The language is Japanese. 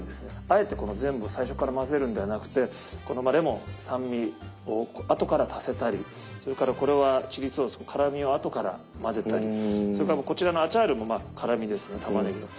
あえて全部最初から混ぜるんではなくてレモン酸味を後から足せたりそれからこれはチリソース辛みを後から混ぜたりそれからこちらのアチャールも辛みですねたまねぎの。